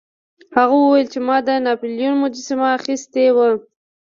هغه وویل چې ما د ناپلیون مجسمه اخیستې وه.